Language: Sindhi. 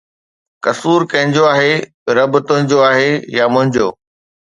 قصور ڪنهن جو آهي، رب، تنهنجو آهي يا منهنجو؟